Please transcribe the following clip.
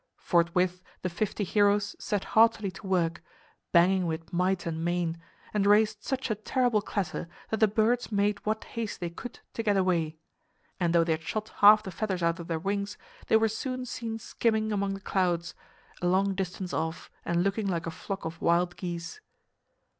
Forthwith the fifty heroes set heartily to work, banging with might and main, and raised such a terrible clatter that the birds made what haste they could to get away; and though they had shot half the feathers out of their wings, they were soon seen skimming among the clouds, a long distance off and looking like a flock of wild geese.